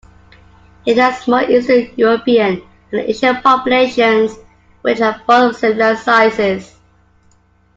It has small Eastern European and Asian Populations which are both of similar sizes.